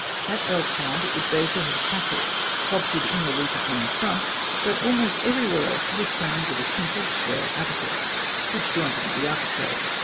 At El Kab it bears the head of Hathor, sculptured in relief upon the front (fig. 61); but almost everywhere else it is crowned with a simple square abacus, which joins it to the architrave.